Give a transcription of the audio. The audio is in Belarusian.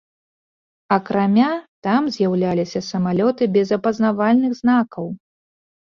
Акрамя там з'яўляліся самалёты без апазнавальных знакаў.